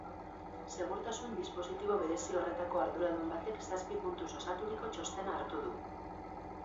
Segurtasun dispositibo berezi horretako arduradun batek zazpi puntuz osaturiko txostena hartu du.